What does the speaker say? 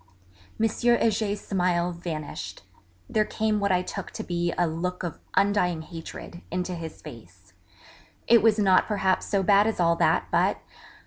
M. Heger's smiles vanished; there came what I took to be a 'look of undying hatred' into his face it was not perhaps so bad as all that, but